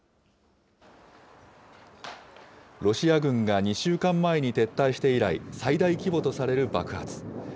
ロシア軍が２週間前に撤退して以来、最大規模とされる爆発。